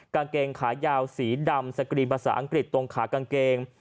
กางเกงขายาวสีดำสกรีนภาษาอังกฤษตรงขากางเกง